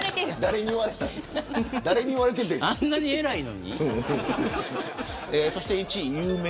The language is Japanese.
あんなにえらいのに。